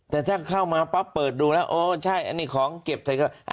แต่ถ้าเข้ามาปั๊บเปิดดูแล้วโอ้ใช่อันนี้ของเก็บใส่ก็